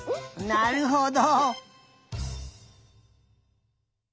なるほど。